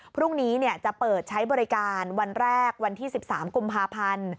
พรุ่งนี้จะเปิดใช้บริการวันแรกวันที่๑๓กุมภาพันธ์